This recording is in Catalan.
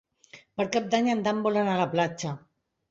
Per Cap d'Any en Dan vol anar a la platja.